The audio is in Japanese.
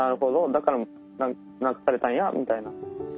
だからながされたんや」みたいな。